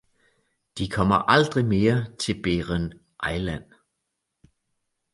De kommer aldrig mere til Beeren-Eiland!